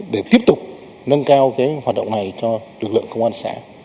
để tiếp tục nâng cao hoạt động này cho lực lượng công an xã